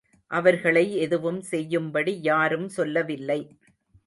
அவர்களை எதுவும் செய்யும்படி யாரும் சொல்லவில்லை.